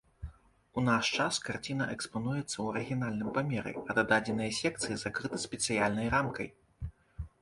У наш час карціна экспануецца ў арыгінальным памеры, а дададзеныя секцыі закрыты спецыяльнай рамкай.